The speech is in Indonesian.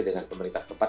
dengan pemerintah setempat